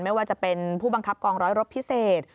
ไม่ว่าจะเป็นผู้บังคับกองร้อยรบพิเศษ